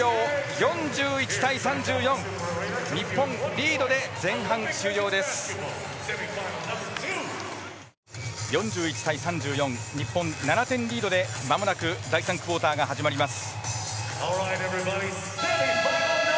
４１対３４、日本は７点リードで第３クオーターが始まります。